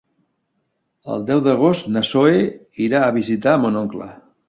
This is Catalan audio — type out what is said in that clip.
El deu d'agost na Zoè irà a visitar mon oncle.